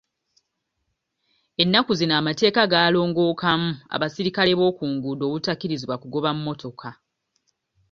Ennaku zino amateeka gaalongookamu abasirikale bookunguudo obutakkirizibwa kugoba mmotoka.